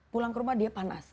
pulang ke rumah dia panas